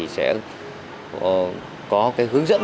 sẽ có hướng dẫn